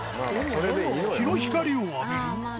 日の光を浴びる？